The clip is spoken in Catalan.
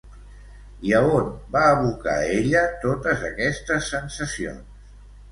I a on va abocar ella totes aquestes sensacions?